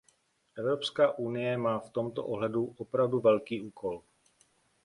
Evropská unie má v tomto ohledu opravdu velký úkol.